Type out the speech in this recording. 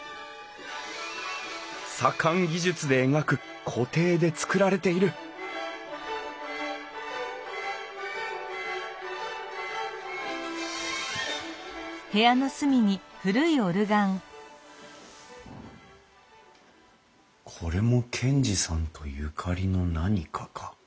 左官技術で描く鏝絵で作られているこれも賢治さんとゆかりの何かか？